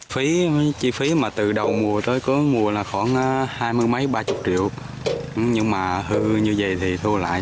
phí chi phí mà từ đầu mùa tới có mùa là khoảng hai mươi mấy ba mươi triệu nhưng mà hư như vậy thì thu lại